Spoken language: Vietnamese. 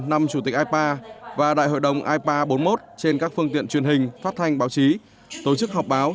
năm chủ tịch ipa và đại hội đồng ipa bốn mươi một trên các phương tiện truyền hình phát thanh báo chí tổ chức họp báo